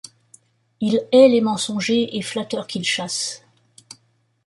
Il hait les mensongers et flatteurs qu’il chasse.